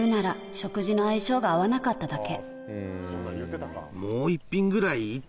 「食事の相性が合わなかっただけ」